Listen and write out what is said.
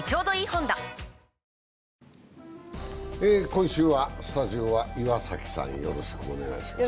今週はスタジオは岩崎さん、よろしくお願いします。